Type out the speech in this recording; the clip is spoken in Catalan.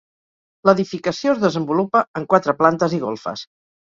L'edificació es desenvolupa en quatre plantes i golfes.